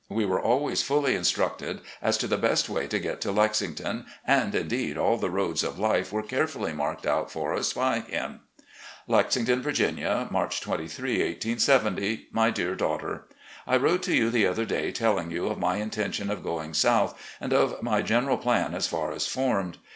We were always fully in structed as to the best way to get to Lexington^ and, indeed, all the roads of life were carefully marked out for us by him: "Lexington, Virginia, March 23, 1870. "My Dear Daughter: I wrote to you the other day, telling you of my intention of going South and of my general plan as far as formed.